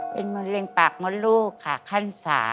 เป็นมะเร็งปากมดลูกค่ะขั้น๓